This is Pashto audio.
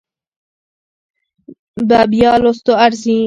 په بيا لوستو ارزي